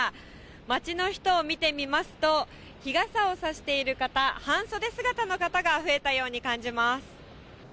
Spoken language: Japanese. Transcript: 街の人を見てみますと、日傘を差している方、半袖姿の方が増えたように感じます。